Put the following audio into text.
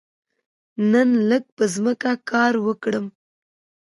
نن لږ په ځمکه کې کار وکړم.